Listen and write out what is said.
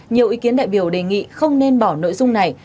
nhiều ý kiến đại biểu đề nghị không nên bỏ nội dung này